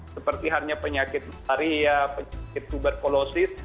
seperti hanya penyakit malaria penyakit tuberkulosis